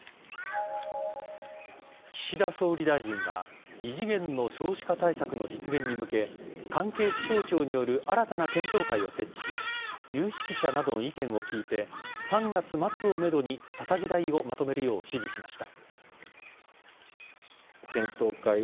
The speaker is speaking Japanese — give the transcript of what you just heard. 岸田総理大臣は異次元の少子化対策の実現に向け関係府省庁による新たな検討会を設置し有識者などの意見を聞いて３月末をめどにたたき台をまとめるよう指示しました。